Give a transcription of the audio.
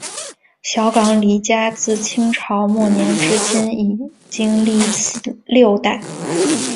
小港李家自清朝末年至今已经历六代。